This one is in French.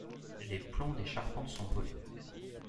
Les plombs des charpentes sont volés.